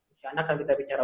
usia anak kan kita bicara